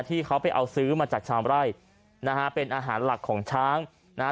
ที่เขาไปเอาซื้อมาจากชาวไร่นะฮะเป็นอาหารหลักของช้างนะฮะ